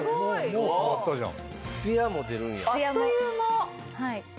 もう変わったじゃん。